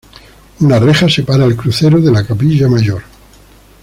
Una reja separa el crucero de la capilla mayor.